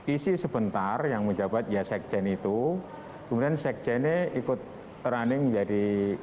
isi sebentar yang menjabat ya sekjen itu kemudian sekjennya ikut running menjadi